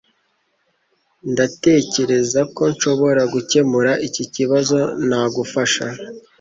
Ndatekereza ko nshobora gukemura iki kibazo ntagufasha.